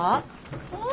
うん。